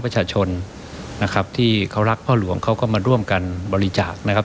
ประชาชนนะครับที่เขารักพ่อหลวงเขาก็มาร่วมกันบริจาคนะครับ